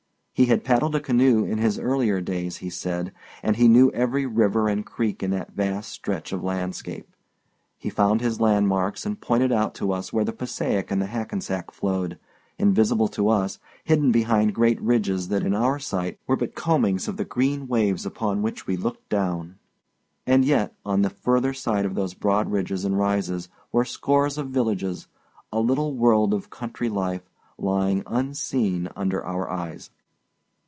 He had paddled a canoe, in his earlier days, he said, and he knew every river and creek in that vast stretch of landscape. He found his landmarks, and pointed out to us where the Passaic and the Hackensack flowed, invisible to us, hidden behind great ridges that in our sight were but combings of the green waves upon which we looked down. And yet, on the further side of those broad ridges and rises were scores of villages—a little world of country life, lying unseen under our eyes.